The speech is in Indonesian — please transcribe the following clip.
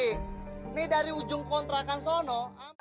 ini dari ujung kontrakan sono